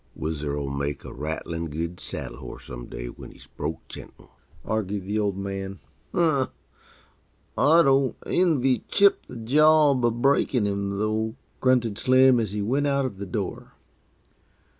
"Whizzer'll make a rattlin' good saddle horse some day, when he's broke gentle," argued the Old Man. "Huh! I don't envy Chip the job uh breakin' him, though," grunted Slim, as he went out of the door.